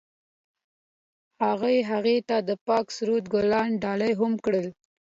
هغه هغې ته د پاک سرود ګلان ډالۍ هم کړل.